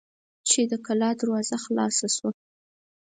چې د کلا دروازه خلاصه شوه.